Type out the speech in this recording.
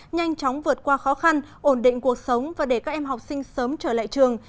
nhanh chóng vượt qua khó khăn ổn định cuộc sống và để các em học sinh sớm trở lại trường